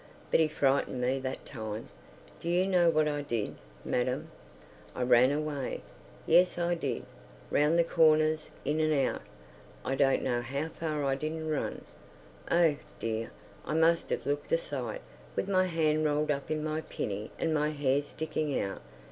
But he frightened me that time. Do you know what I did, madam? I ran away. Yes, I did, round the corners, in and out, I don't know how far I didn't run. Oh, dear, I must have looked a sight, with my hand rolled up in my pinny and my hair sticking out.